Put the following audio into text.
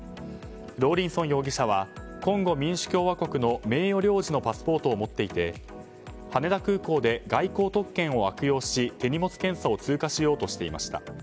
ローリンソン容疑者はコンゴ民主共和国の名誉領事のパスポートを持っていて羽田空港で外交特権を悪用し手荷物検査を通過しようとしていました。